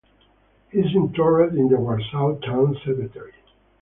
He is interred in the Warsaw Town Cemetery.